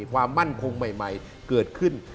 ความมั่นคงใหม่เกิดขึ้น